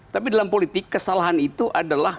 tapi dalam politik kesalahan itu adalah